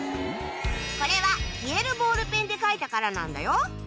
これは消えるボールペンで描いたからなんだよ。